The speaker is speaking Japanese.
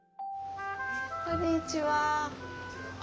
こんにちは。